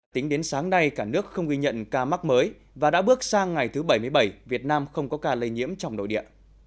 tính đến sáng nay cả nước không ghi nhận ca mắc mới và đã bước sang ngày thứ bảy mươi bảy việt nam không có ca lây nhiễm trong nội địa